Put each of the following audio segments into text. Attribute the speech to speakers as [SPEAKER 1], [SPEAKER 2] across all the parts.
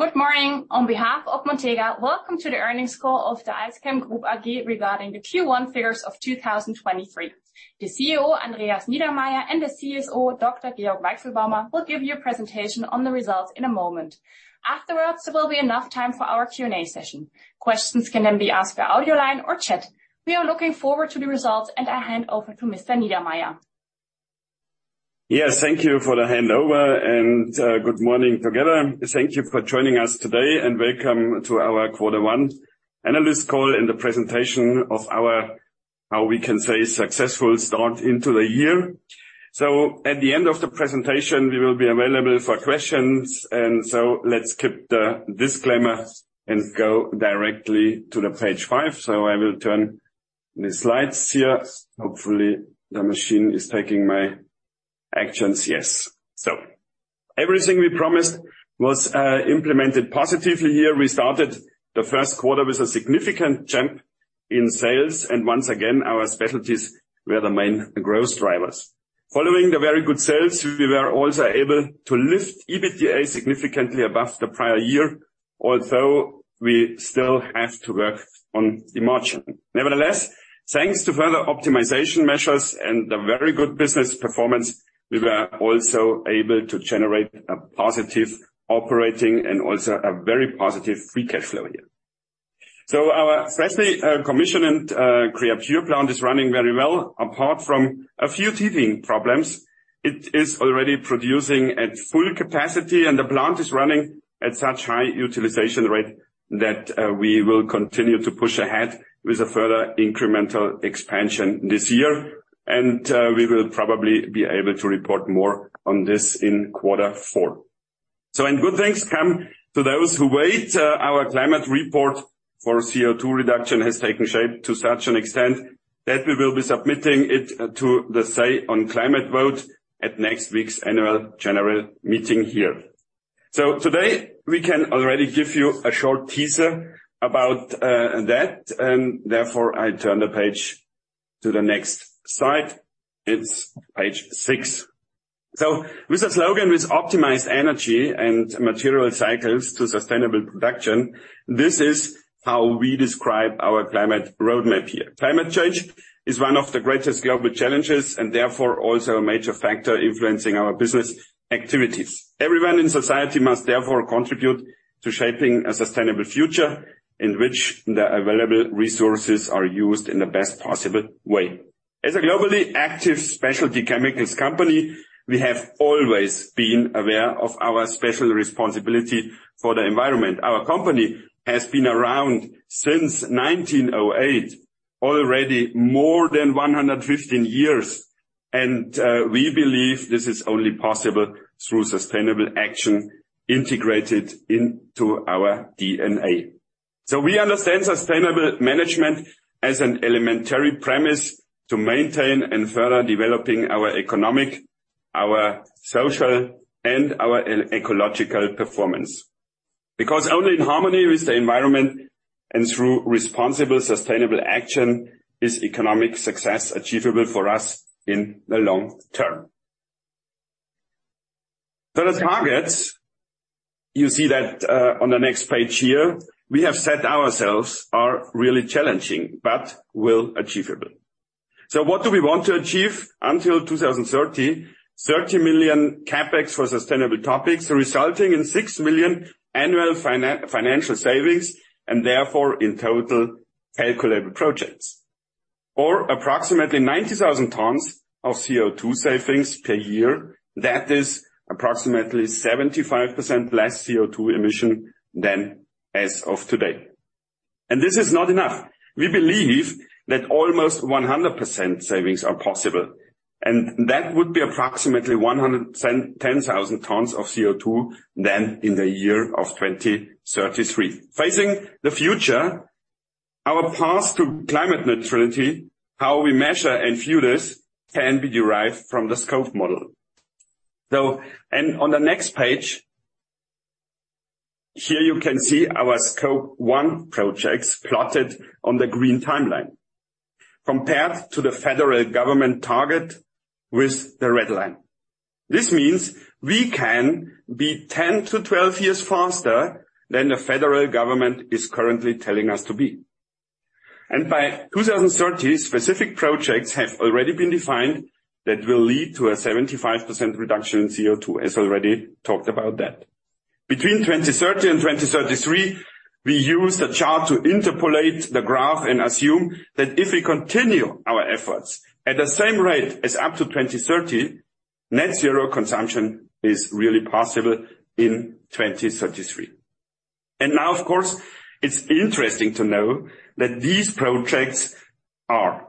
[SPEAKER 1] Good morning. On behalf of Montega, welcome to the earnings call of the AlzChem Group AG regarding the Q1 figures of 2023. The CEO, Andreas Niedermaier, and the CSO, Dr. Georg Weichselbaumer, will give you a presentation on the results in a moment. Afterwards, there will be enough time for our Q&A session. Questions can then be asked via audio line or chat. We are looking forward to the results. I hand over to Mr. Niedermaier.
[SPEAKER 2] Yes, thank you for the handover and good morning together. Thank you for joining us today and welcome to our quarter one analyst call and the presentation of our successful start into the year. At the end of the presentation, we will be available for questions, let's skip the disclaimer and go directly to the page five. I will turn the slides here. Hopefully, the machine is taking my actions. Yes. Everything we promised was implemented positively here. We started the first quarter with a significant jump in sales, and once again, our specialties were the main growth drivers. Following the very good sales, we were also able to lift EBITDA significantly above the prior year, although we still have to work on the margin. Nevertheless, thanks to further optimization measures and the very good business performance, we were also able to generate a positive operating and also a very positive free cash flow here. Our freshly commissioned Creapure plant is running very well. Apart from a few teething problems, it is already producing at full capacity and the plant is running at such high utilization rate that we will continue to push ahead with a further incremental expansion this year. We will probably be able to report more on this in quarter four. When good things come to those who wait, our climate report for CO2 reduction has taken shape to such an extent that we will be submitting it to the Say on Climate vote at next week's annual general meeting here. Today, we can already give you a short teaser about that, therefore, I turn the page to the next slide. It's page six. With the slogan, with optimized energy and material cycles to sustainable production, this is how we describe our climate roadmap here. Climate change is one of the greatest global challenges, and therefore also a major factor influencing our business activities. Everyone in society must therefore contribute to shaping a sustainable future in which the available resources are used in the best possible way. As a globally active specialty chemicals company, we have always been aware of our special responsibility for the environment. Our company has been around since 1908, already more than 115 years, and we believe this is only possible through sustainable action integrated into our DNA. We understand sustainable management as an elementary premise to maintain and further developing our economic, our social, and our ecological performance. Only in harmony with the environment and through responsible, sustainable action is economic success achievable for us in the long term. The targets, you see that, on the next page here, we have set ourselves are really challenging, but will achievable. What do we want to achieve until 2030? 30 million CapEx for sustainable topics, resulting in 6 million annual financial savings, and therefore in total calculable projects. Approximately 90,000 tons of CO2 savings per year. That is approximately 75% less CO2 emission than as of today. This is not enough. We believe that almost 100% savings are possible, and that would be approximately 110,000 tons of CO2 than in the year of 2033. Facing the future, our path to climate neutrality, how we measure and fuel this can be derived from the Scope Model. On the next page, here you can see our Scope 1 projects plotted on the green timeline compared to the federal government target with the red line. This means we can be 10 to 12 years faster than the federal government is currently telling us to be. By 2030, specific projects have already been defined that will lead to a 75% reduction in CO2, as already talked about that. Between 2030 and 2033, we use the chart to interpolate the graph and assume that if we continue our efforts at the same rate as up to 2030, Net Zero consumption is really possible in 2033. Now, of course, it's interesting to know that these projects are.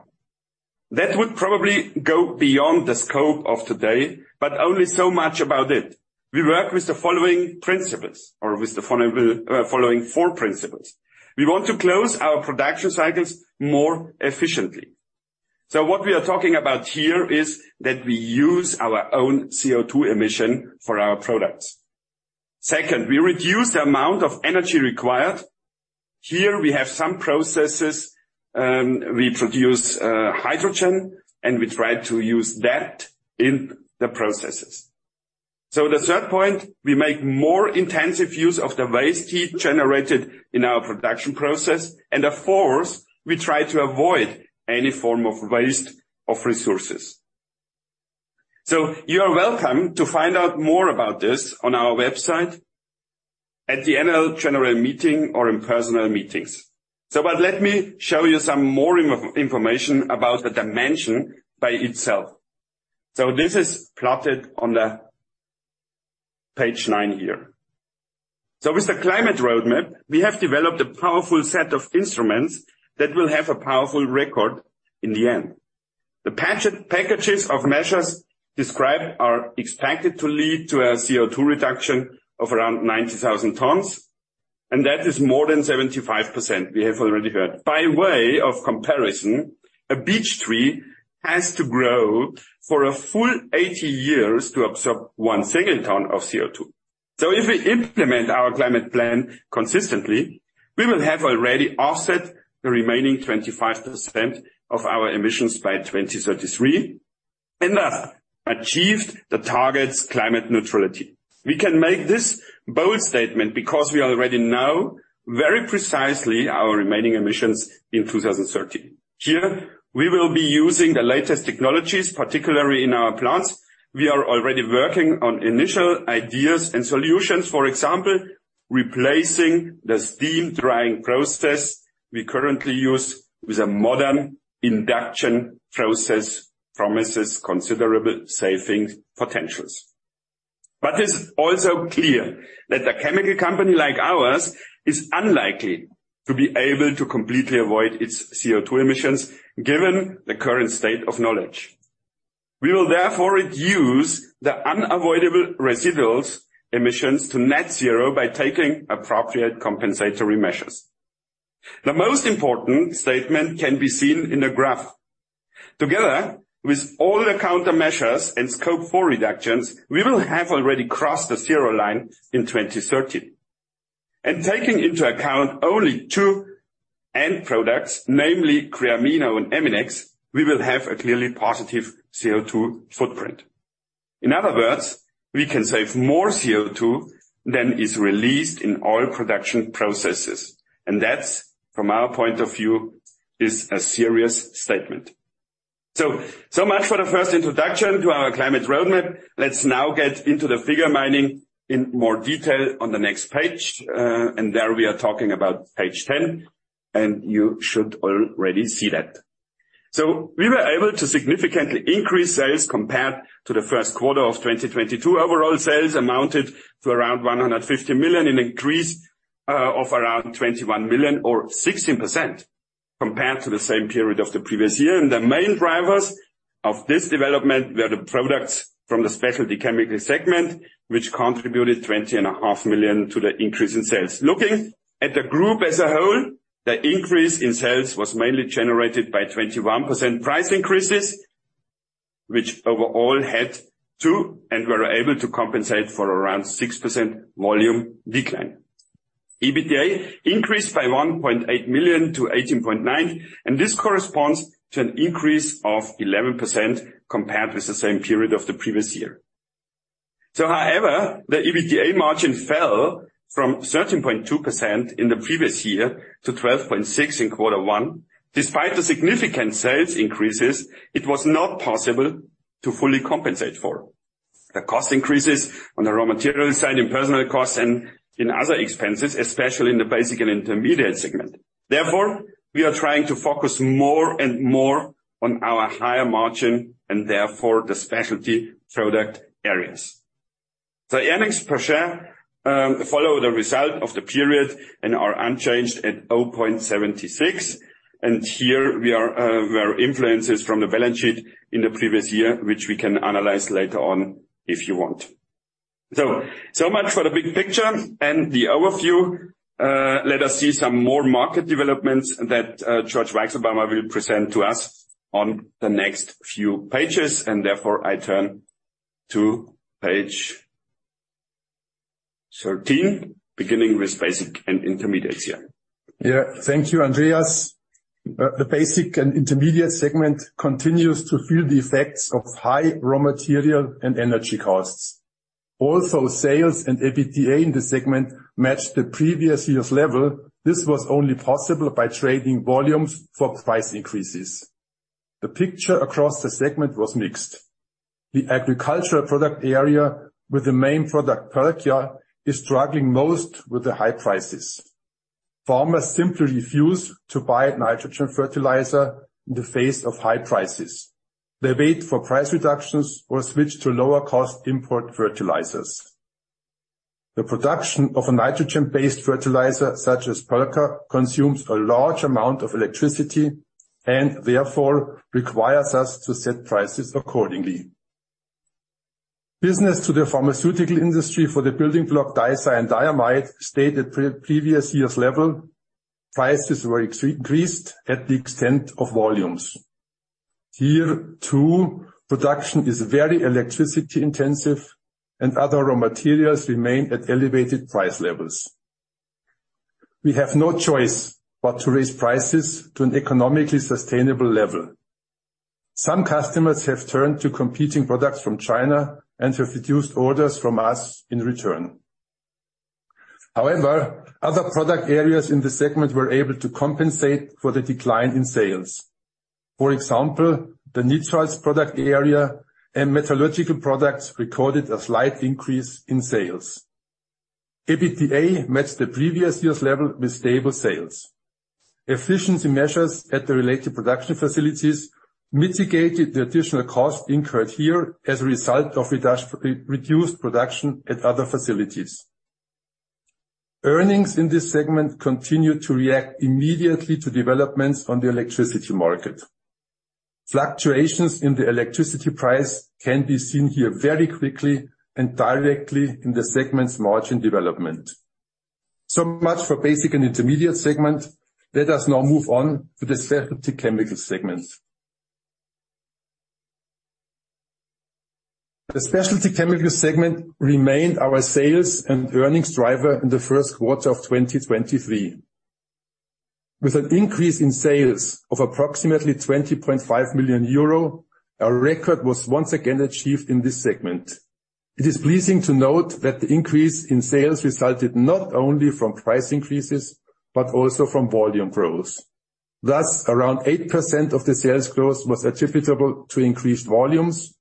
[SPEAKER 2] That would probably go beyond the scope of today, but only so much about it. We work with the following principles or with the following four principles. We want to close our production cycles more efficiently. What we are talking about here is that we use our own CO2 emission for our products. Second, we reduce the amount of energy required. Here we have some processes. We produce hydrogen, we try to use that in the processes. The third point, we make more intensive use of the waste heat generated in our production process. The fourth, we try to avoid any form of waste of resources. You are welcome to find out more about this on our website, at the NL general meeting or in personal meetings. Let me show you some more information about the dimension by itself. This is plotted on page nine here. With the climate roadmap, we have developed a powerful set of instruments that will have a powerful record in the end. The packages of measures described are expected to lead to a CO2 reduction of around 90,000 tons, and that is more than 75% we have already heard. By way of comparison, a beech tree has to grow for a full 80 years to absorb one single ton of CO2. If we implement our climate plan consistently, we will have already offset the remaining 25% of our emissions by 2033 and achieved the targets climate neutrality. We can make this bold statement because we already know very precisely our remaining emissions in 2030. Here, we will be using the latest technologies, particularly in our plants. We are already working on initial ideas and solutions, for example, replacing the steam drying process we currently use with a modern induction process, promises considerable saving potentials. It's also clear that a chemical company like ours is unlikely to be able to completely avoid its CO2 emissions, given the current state of knowledge. We will therefore reduce the unavoidable residual emissions to net zero by taking appropriate compensatory measures. The most important statement can be seen in the graph. Together with all the countermeasures and Scope 4 reductions, we will have already crossed the zero line in 2030. Taking into account only two end products, namely Creamino and Eminex, we will have a clearly positive CO2 footprint. In other words, we can save more CO2 than is released in all production processes, and that's, from our point of view, is a serious statement. So much for the first introduction to our climate roadmap. Let's now get into the figure mining in more detail on the next page, and there we are talking about page 10, and you should already see that. We were able to significantly increase sales compared to the first quarter of 2022. Overall sales amounted to around 150 million, an increase of around 21 million or 16% compared to the same period of the previous year. The main drivers of this development were the products from the Specialty Chemicals segment, which contributed 20.5 million to the increase in sales. Looking at the group as a whole, the increase in sales was mainly generated by 21% price increases, which overall had to and were able to compensate for around 6% volume decline. EBITDA increased by 1.8 million to 18.9 million. This corresponds to an increase of 11% compared with the same period of the previous year. However, the EBITDA margin fell from 13.2% in the previous year to 12.6% in Q1. Despite the significant sales increases, it was not possible to fully compensate for the cost increases on the raw material side, in personal costs and in other expenses, especially in the Basic and Intermediate segment. We are trying to focus more and more on our higher margin and therefore the specialty product areas. The earnings per share follow the result of the period and are unchanged at 0.76, and here we are, where influences from the balance sheet in the previous year, which we can analyze later on if you want. So much for the big picture and the overview. Let us see some more market developments that Georg Weichselbaumer will present to us on the next few pages. I turn to page 13, beginning with basic and intermediates here.
[SPEAKER 3] Yeah. Thank you, Andreas. The Basic and Intermediate segment continues to feel the effects of high raw material and energy costs. Sales and EBITDA in this segment matched the previous year's level. This was only possible by trading volumes for price increases. The picture across the segment was mixed. The agricultural product area with the main product, Perlka, is struggling most with the high prices. Farmers simply refuse to buy nitrogen fertilizer in the face of high prices. They wait for price reductions or switch to lower-cost import fertilizers. The production of a nitrogen-based fertilizer, such as Perlka, consumes a large amount of electricity and therefore requires us to set prices accordingly. Business to the pharmaceutical industry for the building block, Dicyandiamide, stayed at pre-previous year's level. Prices were ex-increased at the extent of volumes. Here too, production is very electricity intensive and other raw materials remain at elevated price levels. We have no choice but to raise prices to an economically sustainable level. Some customers have turned to competing products from China and have reduced orders from us in return. Other product areas in the segment were able to compensate for the decline in sales. For example, the nitrous product area and metallurgical products recorded a slight increase in sales. EBITDA matched the previous year's level with stable sales. Efficiency measures at the related production facilities mitigated the additional cost incurred here as a result of reduced production at other facilities. Earnings in this segment continue to react immediately to developments on the electricity market. Fluctuations in the electricity price can be seen here very quickly and directly in the segment's margin development. Much for Basic and Intermediate segment. Let us now move on to the Specialty Chemicals segment. The Specialty Chemicals segment remained our sales and earnings driver in the first quarter of 2023. With an increase in sales of approximately 20.5 million euro, our record was once again achieved in this segment. It is pleasing to note that the increase in sales resulted not only from price increases, but also from volume growth. Thus, around 8% of the sales growth was attributable to increased volumes,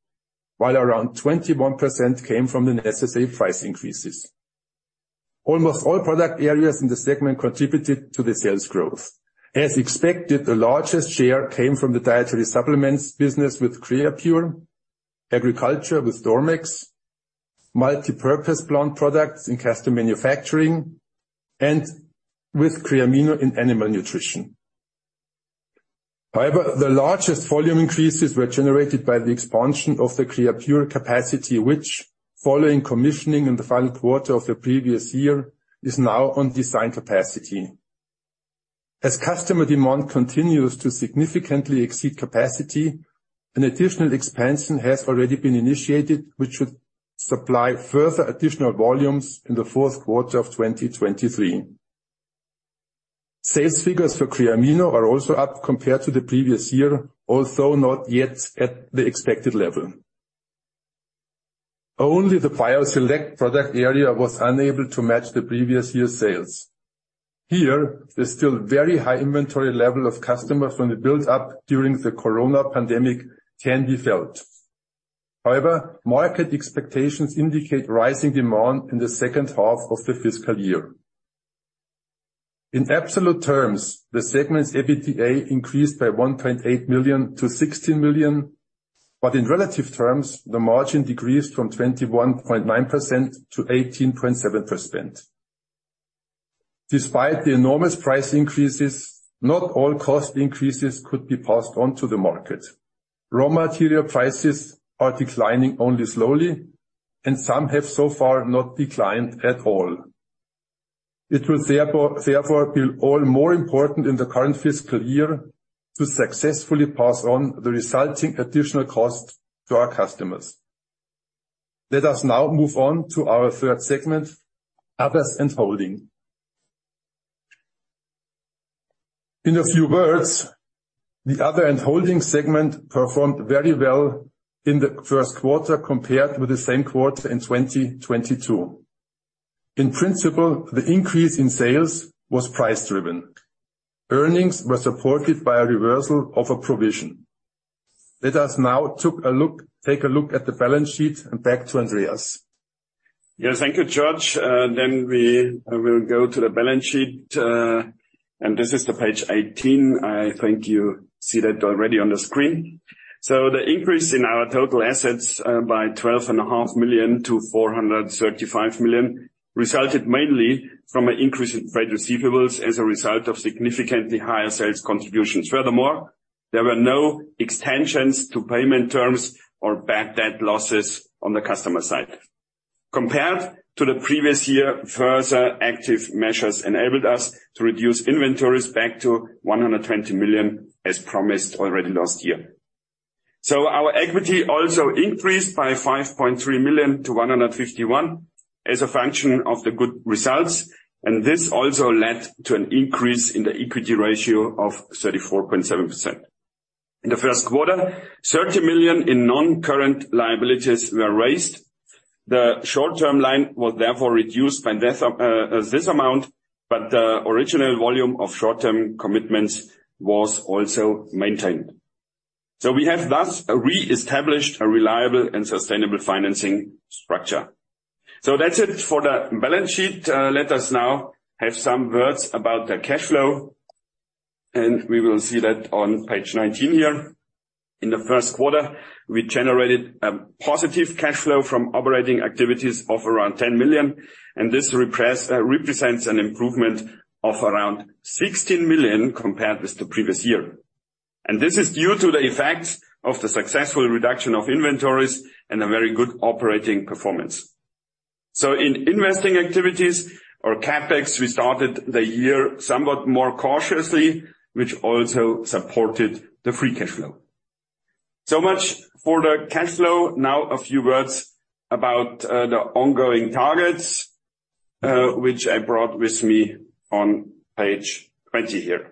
[SPEAKER 3] while around 21% came from the necessary price increases. Almost all product areas in the segment contributed to the sales growth. As expected, the largest share came from the dietary supplements business with Creapure, agriculture with Dormex, multipurpose plant products in custom manufacturing, and with Creamino in animal nutrition. The largest volume increases were generated by the expansion of the Creapure capacity, which following commissioning in the final quarter of the previous year, is now on design capacity. As customer demand continues to significantly exceed capacity, an additional expansion has already been initiated, which should supply further additional volumes in the fourth quarter of 2023. Sales figures for Creamino are also up compared to the previous year, although not yet at the expected level. Only the Bioselect product area was unable to match the previous year's sales. Here, there's still very high inventory level of customers from the build-up during the Corona pandemic can be felt. Market expectations indicate rising demand in the second half of the fiscal year. In absolute terms, the segment's EBITDA increased by 1.8 million to 16 million, but in relative terms, the margin decreased from 21.9% to 18.7%. Despite the enormous price increases, not all cost increases could be passed on to the market. Raw material prices are declining only slowly, and some have so far not declined at all. It will therefore be all more important in the current fiscal year to successfully pass on the resulting additional cost to our customers. Let us now move on to our third segment, Others and Holding. In a few words, the Other and Holding segment performed very well in the first quarter compared with the same quarter in 2022. In principle, the increase in sales was price-driven. Earnings were supported by a reversal of a provision. Let us now take a look at the balance sheet and back to Andreas.
[SPEAKER 2] Yes, thank you, Georg. We will go to the balance sheet, and this is the page 18. I think you see that already on the screen. The increase in our total assets, by 12.5 million to 435 million resulted mainly from an increase in trade receivables as a result of significantly higher sales contributions. Furthermore, there were no extensions to payment terms or bad debt losses on the customer side. Compared to the previous year, further active measures enabled us to reduce inventories back to 120 million, as promised already last year. Our equity also increased by 5.3 million to 151 as a function of the good results, and this also led to an increase in the equity ratio of 34.7%. In the first quarter, 30 million in non-current liabilities were raised. The short-term line was therefore reduced by this amount, but the original volume of short-term commitments was also maintained. We have thus re-established a reliable and sustainable financing structure. That's it for the balance sheet. Let us now have some words about the cash flow, and we will see that on page 19 here. In the first quarter, we generated a positive cash flow from operating activities of around 10 million, and this represents an improvement of around 16 million compared with the previous year. This is due to the effects of the successful reduction of inventories and a very good operating performance. In investing activities or CapEx, we started the year somewhat more cautiously, which also supported the free cash flow. Much for the cash flow. A few words about the ongoing targets, which I brought with me on page 20 here.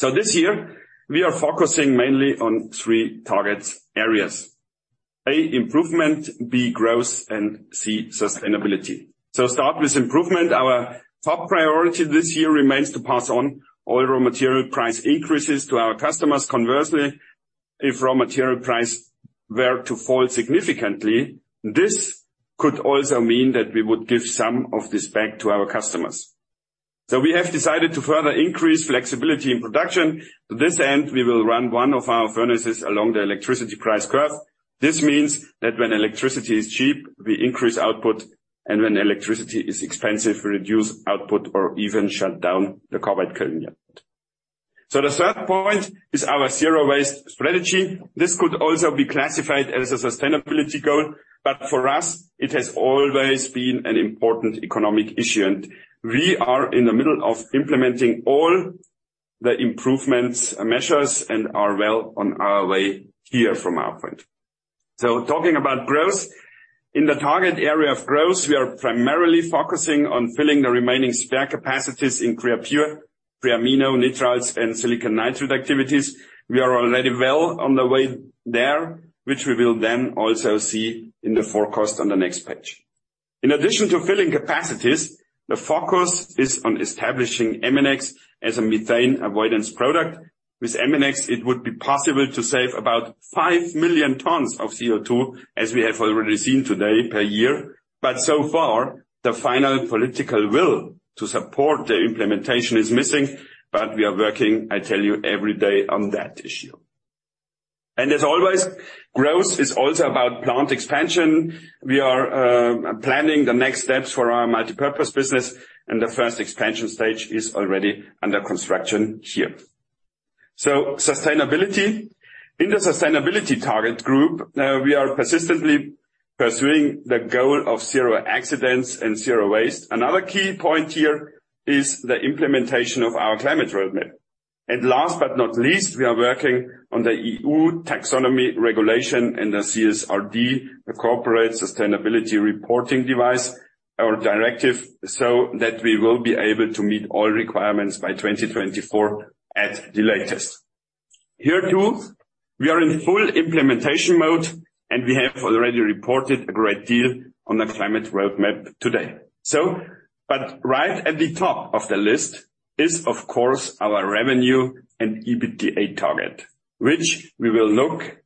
[SPEAKER 2] This year we are focusing mainly on three target areas: A, improvement, B, growth, and C, sustainability. Start with improvement. Our top priority this year remains to pass on all raw material price increases to our customers. Conversely, if raw material price were to fall significantly, this could also mean that we would give some of this back to our customers. We have decided to further increase flexibility in production. To this end, we will run one of our furnaces along the electricity price curve. This means that when electricity is cheap, we increase output, and when electricity is expensive, we reduce output or even shut down the carbide kiln yet. The third point is our zero-waste strategy. This could also be classified as a sustainability goal, but for us, it has always been an important economic issue, and we are in the middle of implementing all the improvements, measures and are well on our way here from our point. Talking about growth. In the target area of growth, we are primarily focusing on filling the remaining spare capacities in Creapure, Creamino, nitriles and silicon nitride activities. We are already well on the way there, which we will then also see in the forecast on the next page. In addition to filling capacities, the focus is on establishing Eminex as a methane avoidance product. With Eminex, it would be possible to save about 5 million tons of CO2, as we have already seen today per year. So far, the final political will to support the implementation is missing. We are working, I tell you every day, on that issue. As always, growth is also about plant expansion. We are planning the next steps for our multipurpose business, and the first expansion stage is already under construction here. Sustainability. In the sustainability target group, we are persistently pursuing the goal of zero accidents and zero waste. Another key point here is the implementation of our climate roadmap. Last but not least, we are working on the EU taxonomy regulation and the CSRD, the Corporate Sustainability Reporting Directive or directive, so that we will be able to meet all requirements by 2024 at the latest. Here, too, we are in full implementation mode, and we have already reported a great deal on the climate roadmap today. Right at the top of the list is, of course, our revenue and EBITDA target, which we will look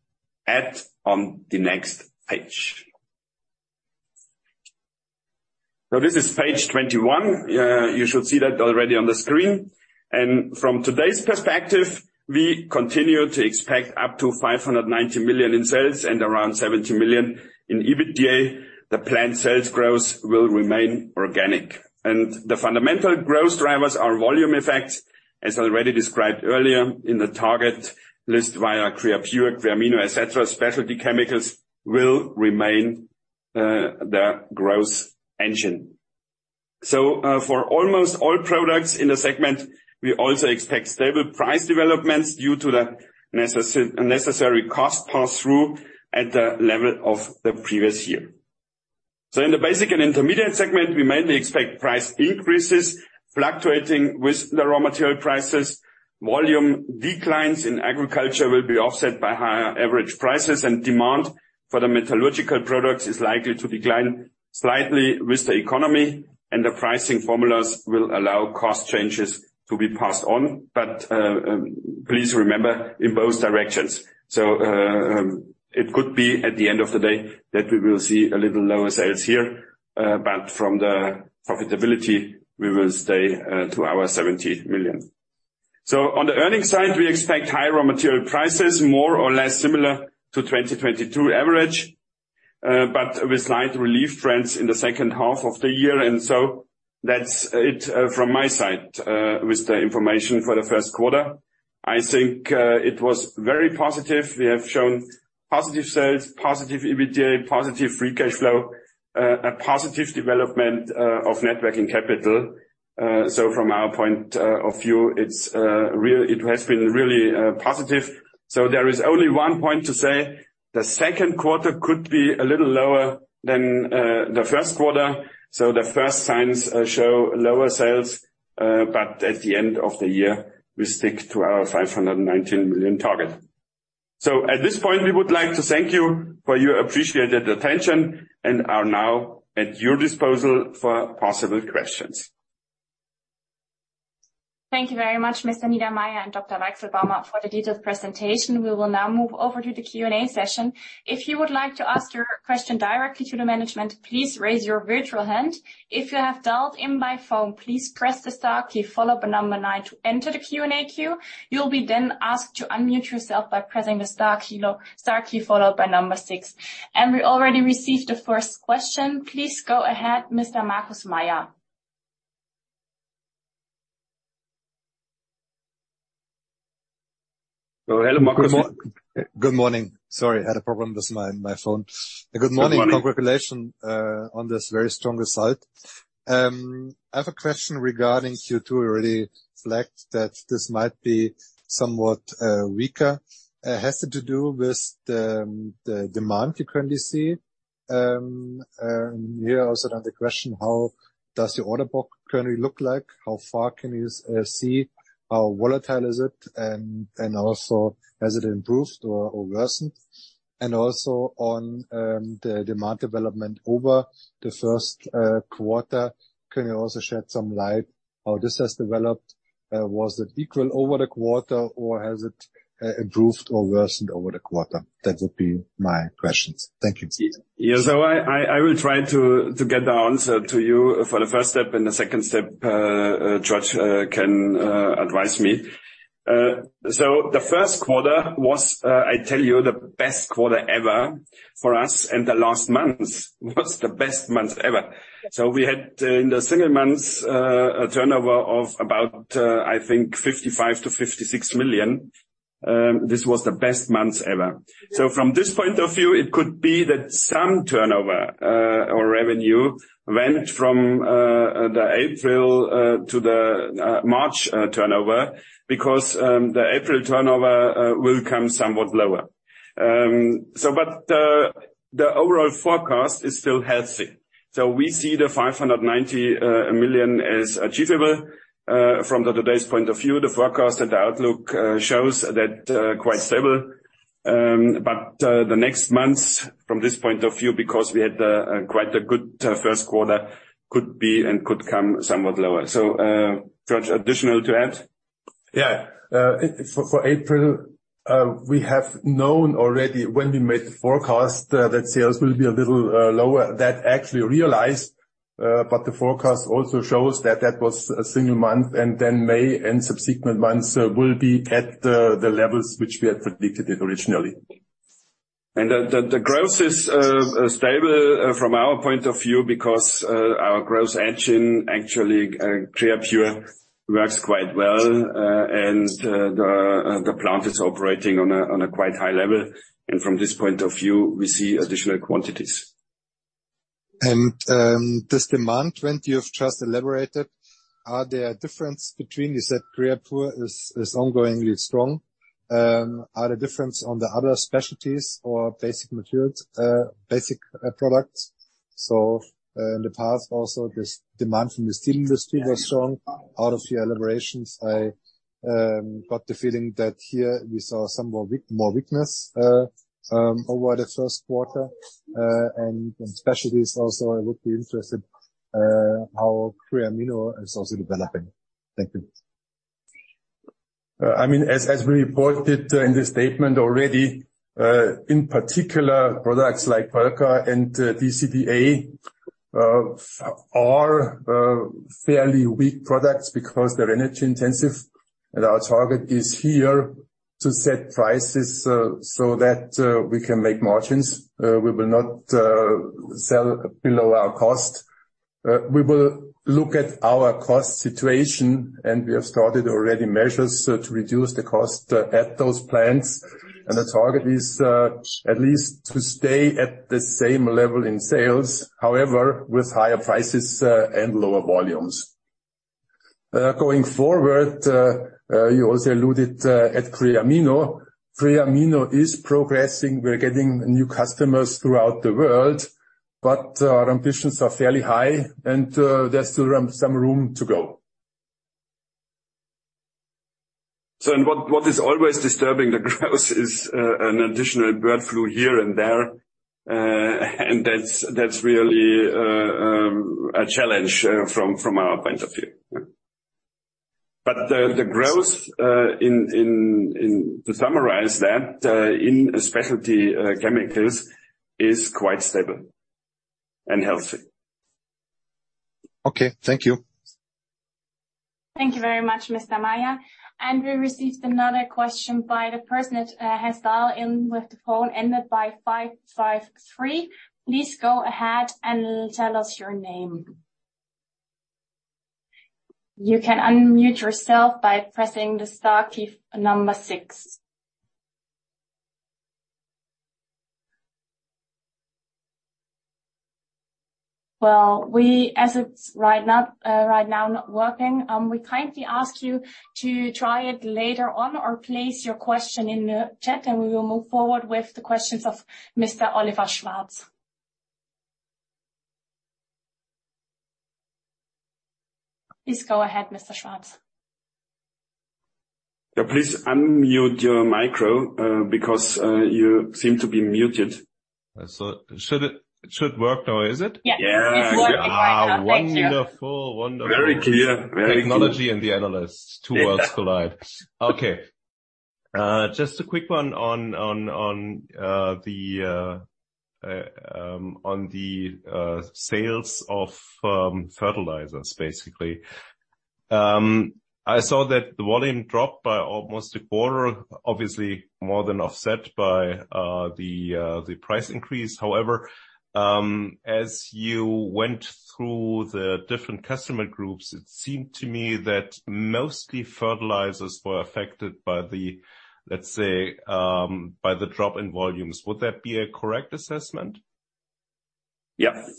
[SPEAKER 2] at on the next page. This is page 21. You should see that already on the screen. From today's perspective, we continue to expect up to 590 million in sales and around 70 million in EBITDA. The planned sales growth will remain organic, and the fundamental growth drivers are volume effects, as already described earlier in the target list via Creapure, Creamino, et cetera. Specialty chemicals will remain the growth engine. For almost all products in the segment, we also expect stable price developments due to the necessary cost pass-through at the level of the previous year. In the Basic and Intermediate segment, we mainly expect price increases fluctuating with the raw material prices. Volume declines in agriculture will be offset by higher average prices, and demand for the metallurgical products is likely to decline slightly with the economy, and the pricing formulas will allow cost changes to be passed on. Please remember in both directions. It could be at the end of the day that we will see a little lower sales here. From the profitability, we will stay to our 70 million. On the earnings side, we expect higher raw material prices, more or less similar to 2022 average, but with slight relief trends in the second half of the year. That's it from my side with the information for the first quarter. I think it was very positive. We have shown positive sales, positive EBITDA, positive free cash flow, a positive development of net working capital. From our point of view, it has been really positive. There is only one point to say. The second quarter could be a little lower than the first quarter. The first signs show lower sales, but at the end of the year we stick to our 519 million target. At this point, we would like to thank you for your appreciated attention and are now at your disposal for possible questions.
[SPEAKER 1] Thank you very much, Mr. Niedermaier and Dr. Weichselbaumer for the detailed presentation. We will now move over to the Q&A session. If you would like to ask your question directly to the management, please raise your virtual hand. If you have dialed in by phone, please press the star key, followed by nine to enter the Q&A queue. You'll be then asked to unmute yourself by pressing the star key followed by six. We already received the first question. Please go ahead, Mr. Marcus Meyer.
[SPEAKER 2] Oh, hello, Marcus.
[SPEAKER 4] Good morning. Sorry, I had a problem with my phone.
[SPEAKER 2] Good morning.
[SPEAKER 4] Good morning. Congratulations on this very strong result. I have a question regarding Q2. You already flagged that this might be somewhat weaker. Has it to do with the demand you currently see? Here also another question, how does your order book currently look like? How far can you see? How volatile is it? Also, has it improved or worsened? Also on the demand development over the first quarter, can you also shed some light how this has developed? Was it equal over the quarter, or has it improved or worsened over the quarter? That would be my questions. Thank you.
[SPEAKER 2] Yes. I will try to get the answer to you for the first step, and the second step, Georg can advise me. The first quarter was, I tell you, the best quarter ever for us, and the last month was the best month ever. We had, in the single month, a turnover of about, I think 55 million-56 million. This was the best month ever. From this point of view, it could be that some turnover or revenue went from the April to the March turnover because the April turnover will come somewhat lower. But the overall forecast is still healthy. We see the 590 million as achievable from today's point of view. The forecast and the outlook shows that quite stable. The next months from this point of view, because we had quite a good first quarter, could be and could come somewhat lower. Georg, additional to add?
[SPEAKER 3] Yeah. For April, we have known already when we made the forecast, that sales will be a little lower that actually realized. But the forecast also shows that that was a single month, and then May and subsequent months, will be at the levels which we had predicted it originally.
[SPEAKER 2] The growth is stable from our point of view because our growth engine actually Creapure works quite well. The plant is operating on a quite high level. From this point of view, we see additional quantities.
[SPEAKER 4] This demand trend you've just elaborated, are there difference? You said Creapure is ongoingly strong. Are the difference on the other specialties or basic materials, basic products? In the past also this demand from the steel industry was strong. Out of your elaborations, I got the feeling that here we saw some more weakness over the first quarter. In specialties also, I would be interested how Creamino is also developing. Thank you.
[SPEAKER 2] I mean, as we reported in this statement already, in particular products like Perlka and DCD, are fairly weak products because they're energy intensive. Our target is here to set prices so that we can make margins. We will not sell below our cost. We will look at our cost situation, and we have started already measures to reduce the cost at those plants. The target is at least to stay at the same level in sales, however, with higher prices and lower volumes. Going forward, you also alluded at Creamino. Creamino is progressing. We're getting new customers throughout the world, but our ambitions are fairly high and there's still room, some room to go. What is always disturbing the growth is an additional bird flu here and there. That's really a challenge from our point of view. The growth to summarize that, in specialty chemicals is quite stable and healthy.
[SPEAKER 4] Okay, thank you.
[SPEAKER 1] Thank you very much, Mr. Meyer. We received another question by the person that has dialed in with the phone ended by 553. Please go ahead and tell us your name. You can unmute yourself by pressing the star key six. Well, as it's right now not working, we kindly ask you to try it later on or place your question in the chat. We will move forward with the questions of Mr. Oliver Schwarz. Please go ahead, Mr. Schwarz.
[SPEAKER 2] Yeah, please unmute your micro, because you seem to be muted.
[SPEAKER 5] It should work now. Is it?
[SPEAKER 1] Yeah. It's working right now. Thank you.
[SPEAKER 5] Wonderful. Wonderful.
[SPEAKER 3] Very clear. Very clear.
[SPEAKER 5] Technology and the analyst, two worlds collide. Okay. Just a quick one on the sales of fertilizers, basically. I saw that the volume dropped by almost a quarter, obviously more than offset by the price increase. However, as you went through the different customer groups, it seemed to me that mostly fertilizers were affected by the, let's say, by the drop in volumes. Would that be a correct assessment?
[SPEAKER 2] Yes.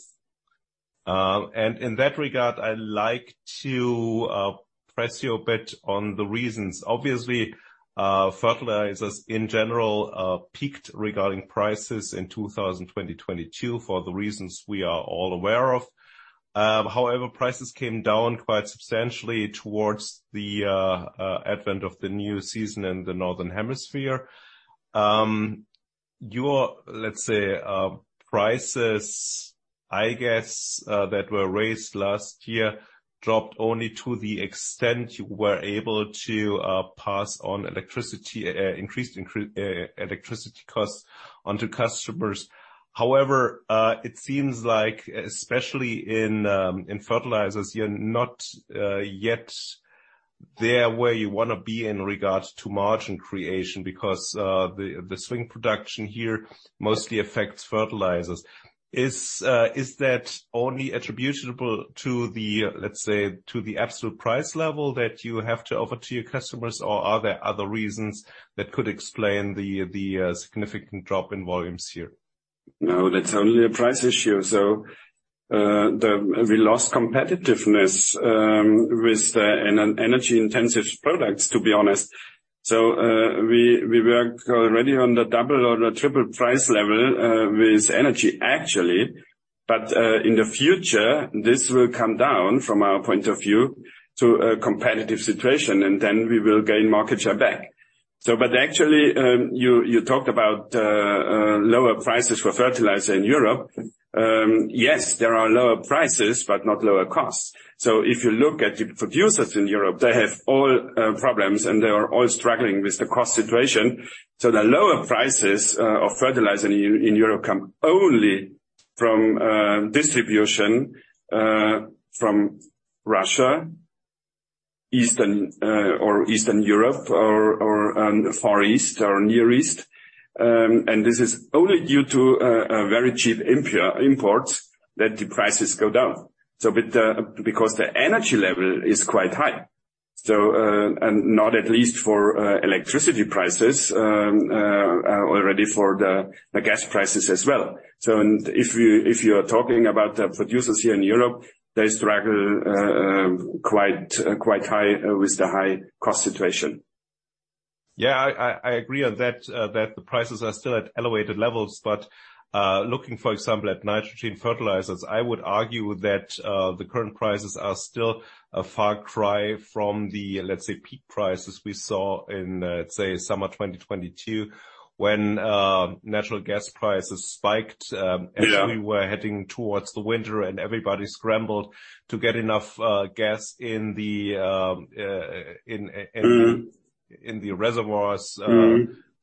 [SPEAKER 5] In that regard, I like to press you a bit on the reasons. Obviously, fertilizers in general, peaked regarding prices in 2020, 2022 for the reasons we are all aware of. However, prices came down quite substantially towards the advent of the new season in the northern hemisphere. Your, let's say, prices, I guess, that were raised last year dropped only to the extent you were able to pass on electricity increase electricity costs onto customers. However, it seems like, especially in fertilizers, you're not yet there where you wanna be in regards to margin creation, because the swing production here mostly affects fertilizers. Is that only attributable to the, let's say, to the absolute price level that you have to offer to your customers, or are there other reasons that could explain the significant drop in volumes here?
[SPEAKER 2] No, that's only a price issue. We lost competitiveness with energy intensive products, to be honest. We work already on the double or the triple price level with energy actually, but in the future, this will come down from our point of view to a competitive situation, and then we will gain market share back. But actually, you talked about lower prices for fertilizer in Europe. Yes, there are lower prices, but not lower costs. If you look at the producers in Europe, they have all problems, and they are all struggling with the cost situation. The lower prices of fertilizer in Europe come only from distribution from Russia, Eastern, or Eastern Europe or, Far East or Near East. This is only due to a very cheap imports that the prices go down. Because the energy level is quite high, and not at least for electricity prices, already for the gas prices as well. If you are talking about the producers here in Europe, they struggle quite high with the high cost situation.
[SPEAKER 5] I agree on that the prices are still at elevated levels, but looking, for example, at nitrogen fertilizers, I would argue that the current prices are still a far cry from the, let's say, peak prices we saw in, say, summer 2022, when natural gas prices spiked as we were heading towards the winter and everybody scrambled to get enough gas in the reservoirs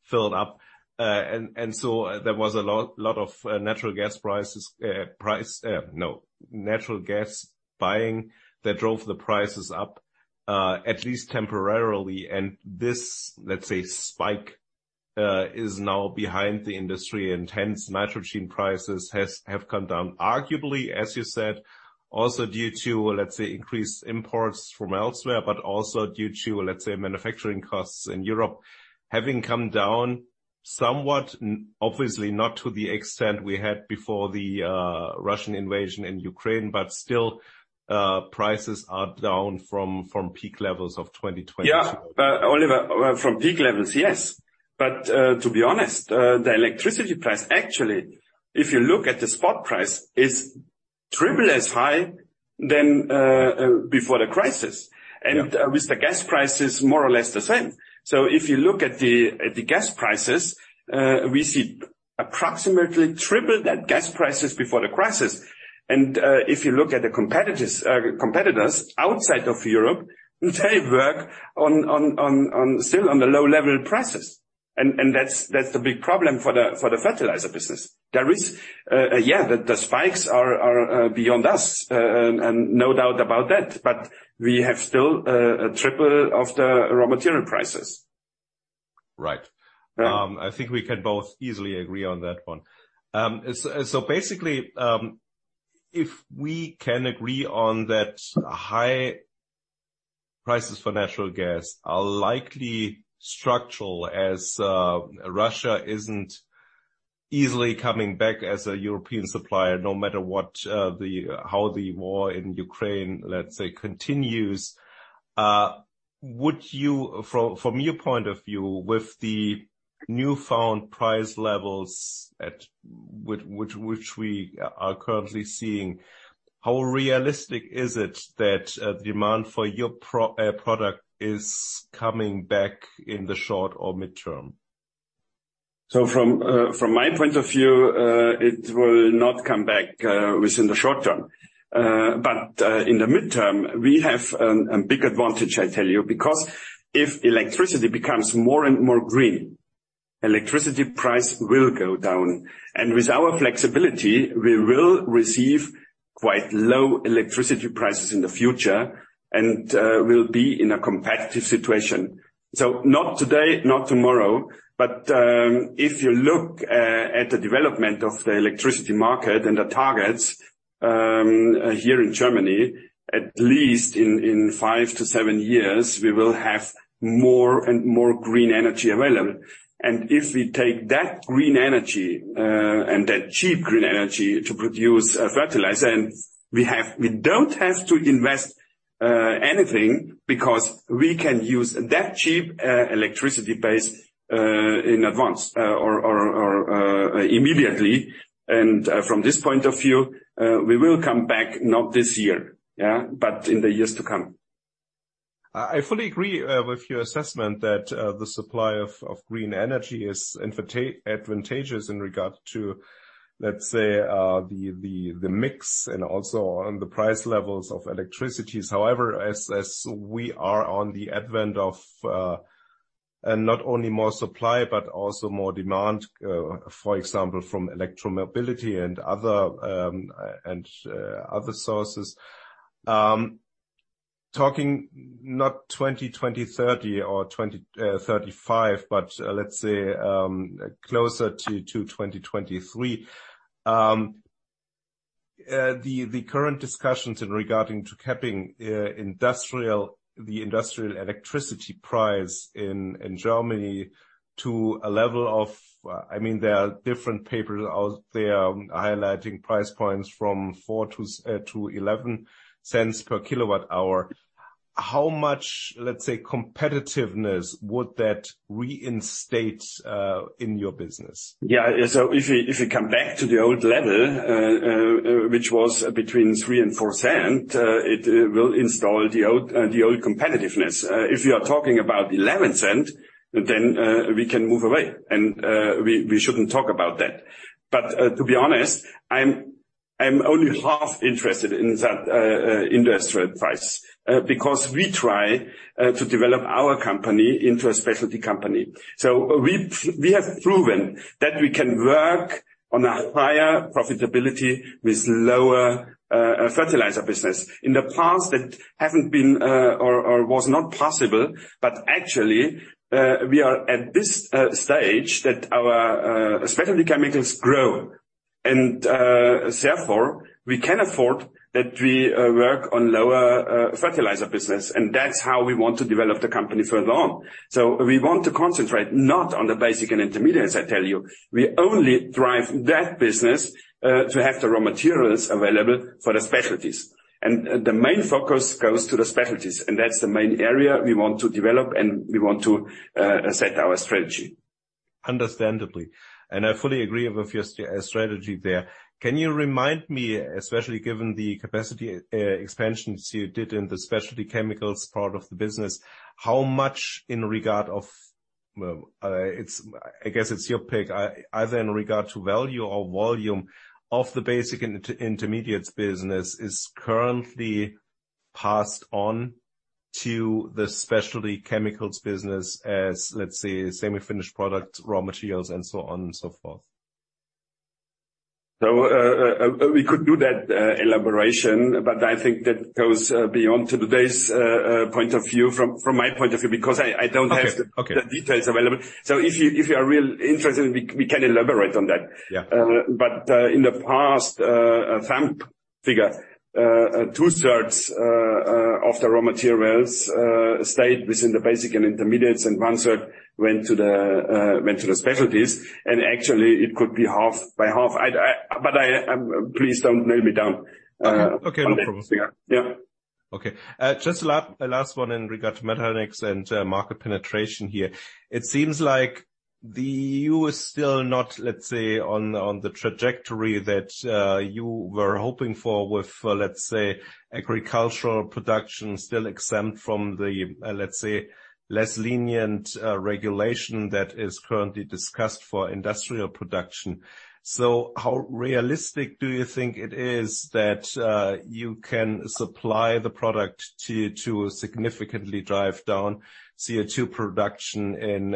[SPEAKER 5] filled up. There was a lot of natural gas buying that drove the prices up at least temporarily. This, let's say, spike is now behind the industry, and hence nitrogen prices have come down, arguably, as you said, also due to, let's say, increased imports from elsewhere, but also due to, let's say, manufacturing costs in Europe having come down somewhat, obviously not to the extent we had before the Russian invasion in Ukraine, but still prices are down from peak levels of 2022.
[SPEAKER 2] Yeah. Oliver, from peak levels, yes. To be honest, the electricity price, actually, if you look at the spot price, is triple as high than before the crisis.
[SPEAKER 5] Yeah.
[SPEAKER 2] With the gas prices more or less the same. If you look at the gas prices, we see approximately triple that gas prices before the crisis. If you look at the competitors outside of Europe, they work on still on the low level prices. That's the big problem for the fertilizer business. There is, yeah, the spikes are beyond us, and no doubt about that, but we have still a triple of the raw material prices.
[SPEAKER 5] Right. I think we can both easily agree on that one. Basically, if we can agree on that high prices for natural gas are likely structural as Russia isn't easily coming back as a European supplier, no matter what how the war in Ukraine, let's say, continues, would you from your point of view, with the newfound price levels at which we are currently seeing, how realistic is it that demand for your product is coming back in the short or mid-term?
[SPEAKER 2] From my point of view, it will not come back within the short term. In the mid-term, we have a big advantage, I tell you, because if electricity becomes more and more green, electricity price will go down. With our flexibility, we will receive quite low electricity prices in the future and will be in a competitive situation. Not today, not tomorrow, but if you look at the development of the electricity market and the targets here in Germany, at least in 5-7 years, we will have more and more green energy available. If we take that green energy and that cheap green energy to produce fertilizer, we don't have to invest anything because we can use that cheap electricity base in advance or immediately. From this point of view, we will come back, not this year, yeah, but in the years to come.
[SPEAKER 5] I fully agree with your assessment that the supply of green energy is advantageous in regard to, let's say, the mix and also on the price levels of electricity. However, as we are on the advent of not only more supply, but also more demand, for example, from electro-mobility and other sources. Talking not 2030 or 2035, but, let's say, closer to 2023. The current discussions in regarding to capping the industrial electricity price in Germany to a level of, I mean, there are different papers out there highlighting price points from 0.04 to 0.11 per kilowatt hour. How much, let's say, competitiveness would that reinstate in your business?
[SPEAKER 2] If you come back to the old level, which was between 0.03 and 0.04, it will install the old competitiveness. If you are talking about 0.11, then we can move away and we shouldn't talk about that. But to be honest, I'm only half interested in that industrial price because we try to develop our company into a specialty company. We have proven that we can work on a higher profitability with lower fertilizer business. In the past, that haven't been or was not possible. But actually, we are at this stage that our specialty chemicals grow. Therefore, we can afford that we work on lower fertilizer business, and that's how we want to develop the company further on. We want to concentrate not on the basic and intermediates, I tell you. We only drive that business to have the raw materials available for the specialties. The main focus goes to the specialties, and that's the main area we want to develop, and we want to set our strategy.
[SPEAKER 5] Understandably. I fully agree with your strategy there. Can you remind me, especially given the capacity expansions you did in the specialty chemicals part of the business, how much in regard of, well, I guess it's your pick. Either in regard to value or volume of the basic intermediate business is currently passed on to the specialty chemicals business as, let's say, semi-finished products, raw materials, and so on and so forth.
[SPEAKER 2] We could do that elaboration, but I think that goes beyond today's point of view from my point of view, because I don't have the details available. If you, if you are really interested, we can elaborate on that.
[SPEAKER 5] Yeah.
[SPEAKER 2] In the past, a thumb figure, two-thirds of the raw materials stayed within the basic and intermediates, and one-third went to the specialties. Actually it could be half by half. I, please don't nail me down.
[SPEAKER 5] Okay, no problem.
[SPEAKER 2] On that figure. Yeah.
[SPEAKER 5] Okay. Just last one in regard to Eminex and market penetration here. It seems like the EU is still not, let's say, on the trajectory that you were hoping for with, let's say, agricultural production still exempt from the, let's say, less lenient regulation that is currently discussed for industrial production. How realistic do you think it is that you can supply the product to significantly drive down CO2 production in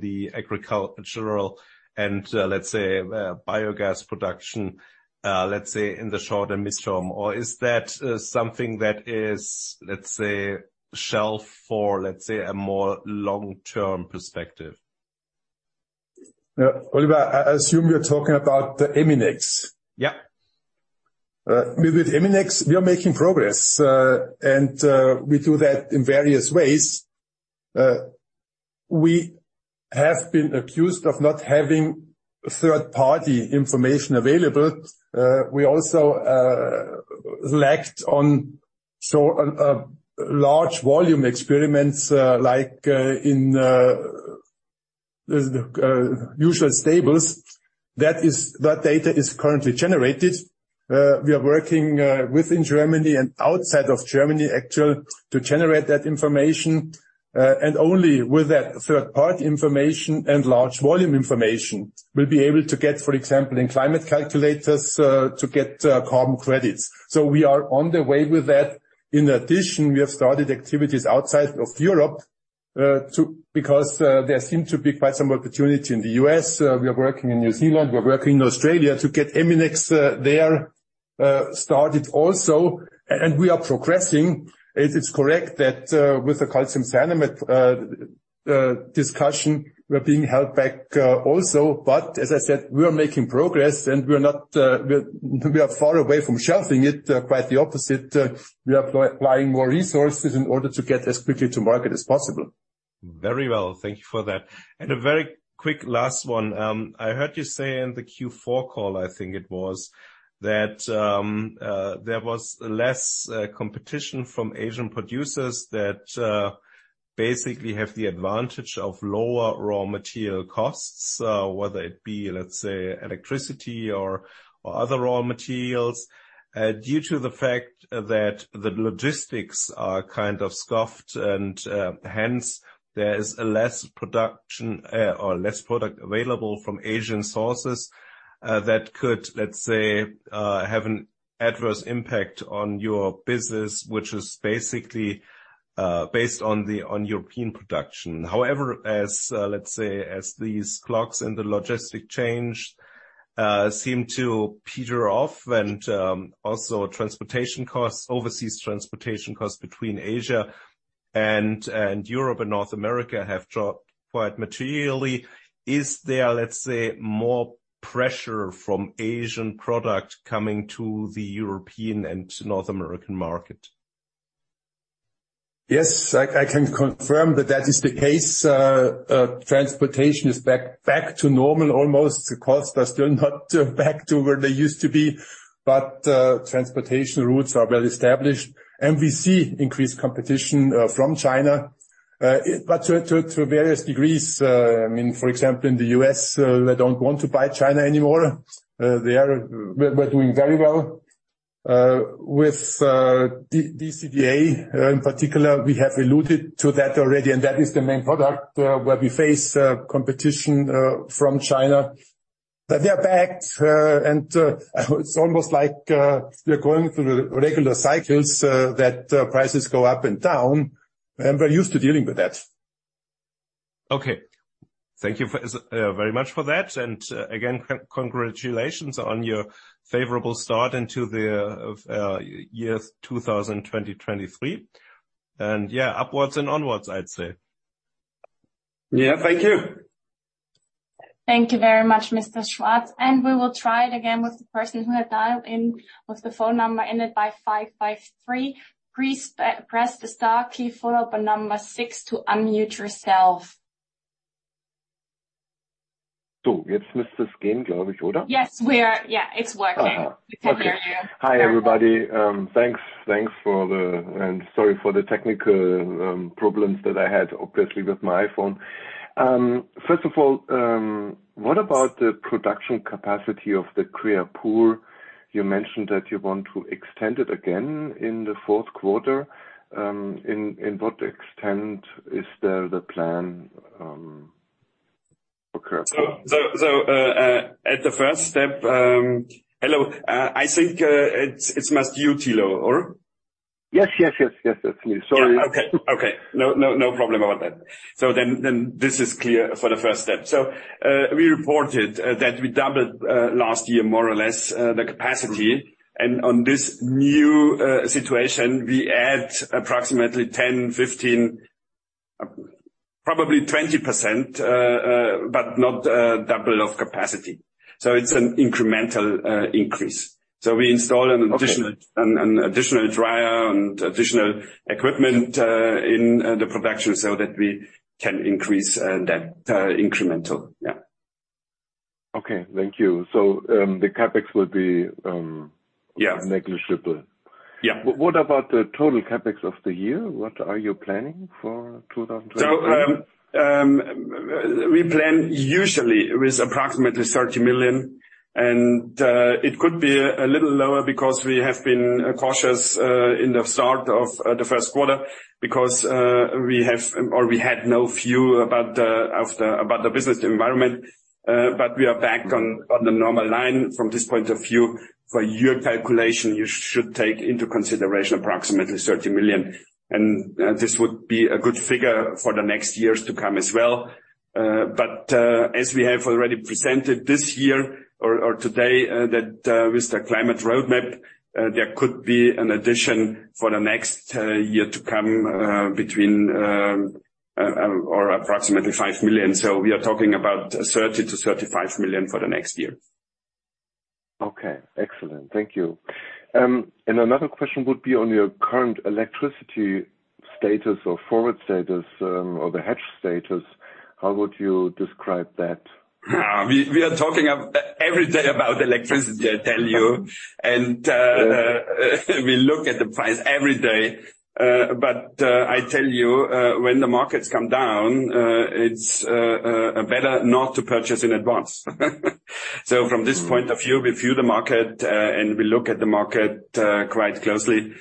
[SPEAKER 5] the agricultural and, let's say, biogas production, let's say in the short and midterm? Or is that something that is, let's say, shelf for, let's say, a more long-term perspective?
[SPEAKER 3] Oliver, I assume you're talking about the Eminex.
[SPEAKER 5] Yeah.
[SPEAKER 3] With Eminex, we are making progress, and we do that in various ways. We have been accused of not having third-party information available. We also lacked on so large volume experiments, like in the usual stables. That data is currently generated. We are working within Germany and outside of Germany actually, to generate that information. Only with that third-party information and large volume information, we'll be able to get, for example, in climate calculators, to get carbon credits. We are on the way with that. In addition, we have started activities outside of Europe, because there seem to be quite some opportunity in the U.S. We are working in New Zealand, we're working in Australia to get Eminex there started also. We are progressing. It is correct that, with the calcium cyanamide, the discussion were being held back also. As I said, we are making progress, and we are not, we are far away from shelving it. Quite the opposite. We are applying more resources in order to get as quickly to market as possible.
[SPEAKER 5] Very well. Thank you for that. A very quick last one. I heard you say in the Q4 call, I think it was, that there was less competition from Asian producers that basically have the advantage of lower raw material costs, whether it be, let's say, electricity or other raw materials, due to the fact that the logistics are kind of scuffed and hence there is less production or less product available from Asian sources that could, let's say, have an adverse impact on your business, which is basically based on European production. However, as, let's say, as these clocks in the logistic change seem to peter off and also transportation costs, overseas transportation costs between Asia and Europe and North America have dropped quite materially. Is there, let's say, more pressure from Asian product coming to the European and North American market?
[SPEAKER 3] Yes. I can confirm that that is the case. Transportation is back to normal almost. The costs are still not back to where they used to be, but transportation routes are well established. We see increased competition from China, but to various degrees. I mean, for example, in the U.S., they don't want to buy China anymore. We're doing very well with DCD in particular. We have alluded to that already, and that is the main product where we face competition from China. They are back, and it's almost like we are going through the regular cycles that prices go up and down, and we're used to dealing with that.
[SPEAKER 5] Okay. Thank you for very much for that. Again, co-congratulations on your favorable start into the year 2023. Yeah, upwards and onwards, I'd say.
[SPEAKER 2] Yeah. Thank you.
[SPEAKER 1] Thank you very much, Mr. Schwarz. We will try it again with the person who had dialed in with the phone number ended by 553. Please pre-press the star key followed by six to unmute yourself.
[SPEAKER 6] Jetzt müsste es gehen, glaube ich, oder?
[SPEAKER 1] Yes, yeah, it's working.
[SPEAKER 6] Aha.
[SPEAKER 1] We can hear you.
[SPEAKER 6] Hi, everybody. Thanks for the... Sorry for the technical problems that I had, obviously, with my iPhone. First of all, what about the production capacity of the Creapure? You mentioned that you want to extend it again in the fourth quarter. In what extent is the plan occurred?
[SPEAKER 2] At the first step... Hello, I think, it's must you, Tilo, or?
[SPEAKER 6] Yes, yes. Yes, it's me. Sorry.
[SPEAKER 2] Okay. Okay. No, no problem about that. Then this is clear for the first step. We reported that we doubled last year more or less the capacity. On this new situation, we add approximately 10%, 15%, probably 20%, but not double of capacity. It's an incremental increase. We install an additional dryer and additional equipment in the production so that we can increase that incremental. Yeah.
[SPEAKER 6] Okay, thank you. The CapEx will be negligible.
[SPEAKER 2] Yeah.
[SPEAKER 6] What about the total CapEx of the year? What are you planning for 2023?
[SPEAKER 2] We plan usually with approximately 30 million, it could be a little lower because we have been cautious in the start of the first quarter because we had no view about the business environment. We are back on the normal line from this point of view. For your calculation, you should take into consideration approximately 30 million. This would be a good figure for the next years to come as well. As we have already presented this year or today, that with the climate roadmap, there could be an addition for the next year to come, between or approximately 5 million. We are talking about EUR 30 million-EUR 35 million for the next year.
[SPEAKER 6] Okay. Excellent. Thank you. Another question would be on your current electricity status or forward status, or the hedge status. How would you describe that?
[SPEAKER 2] We are talking every day about electricity, I tell you. We look at the price every day. But I tell you, when the markets come down, it's better not to purchase in advance. From this point of view, we view the market, and we look at the market quite closely.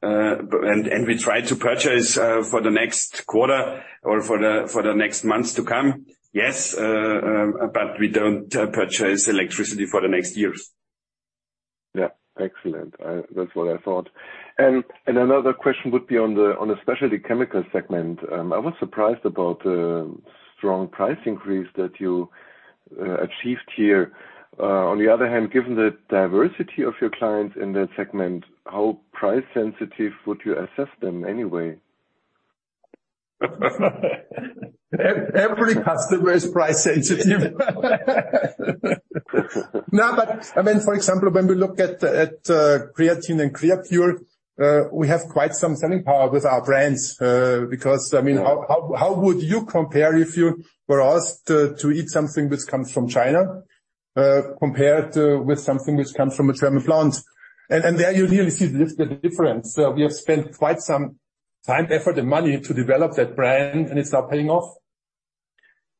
[SPEAKER 2] And we try to purchase for the next quarter or for the next months to come, yes. But we don't purchase electricity for the next years.
[SPEAKER 6] Yeah. Excellent. That's what I thought. Another question would be on the Specialty Chemicals segment. I was surprised about strong price increase that you achieved here. On the other hand, given the diversity of your clients in that segment, how price sensitive would you assess them anyway?
[SPEAKER 2] Every customer is price sensitive. No, I mean, for example, when we look at creatine and Creapure, we have quite some selling power with our brands. I mean, Yeah, how would you compare if you were asked to eat something which comes from China, compared with something which comes from a German plant? There you really see the difference. We have spent quite some time, effort, and money to develop that brand, and it's now paying off.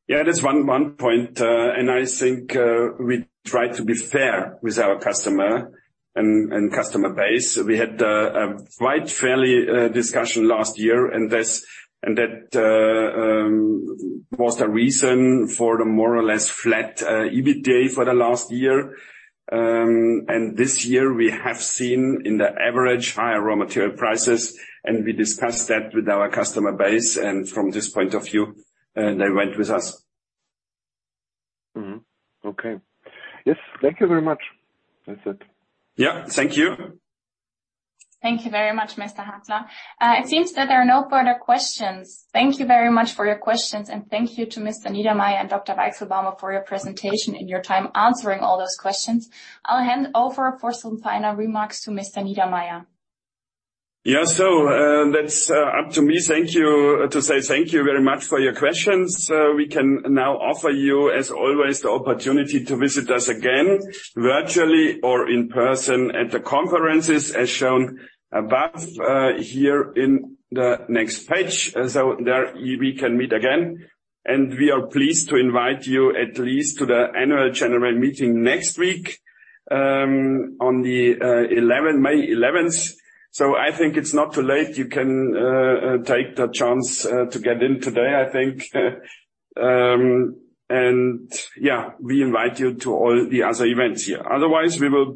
[SPEAKER 3] Yeah, that's one point. I think, we try to be fair with our customer and customer base. We had a quite fairly discussion last year and that was the reason for the more or less flat EBITDA for the last year. This year we have seen in the average higher raw material prices, and we discussed that with our customer base, and from this point of view, they went with us.
[SPEAKER 6] Mm-hmm. Okay. Yes. Thank you very much. That's it.
[SPEAKER 2] Yeah. Thank you.
[SPEAKER 1] Thank you very much, Mr. Hartner. It seems that there are no further questions. Thank you very much for your questions, and thank you to Mr. Niedermaier and Dr. Weichselbaumer for your presentation and your time answering all those questions. I'll hand over for some final remarks to Mr. Niedermaier.
[SPEAKER 2] That's up to me. Thank you very much for your questions. We can now offer you, as always, the opportunity to visit us again, virtually or in person, at the conferences as shown above, here in the next page. There we can meet again. We are pleased to invite you at least to the Annual General Meeting next week, on May 11th. I think it's not too late. You can take the chance to get in today, I think. We invite you to all the other events here. Otherwise, we will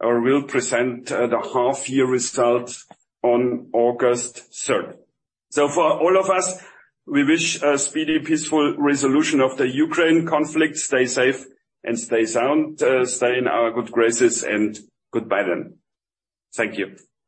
[SPEAKER 2] present the half year results on August 3rd. For all of us, we wish a speedy, peaceful resolution of the Ukraine conflict. Stay safe and stay sound. Stay in our good graces and goodbye then. Thank you.